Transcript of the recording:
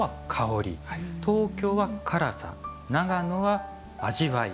東京は辛さ長野は味わい。